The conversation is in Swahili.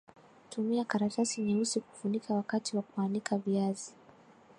tumia karatasi nyeusi kufunika wakati wa kuanika viazi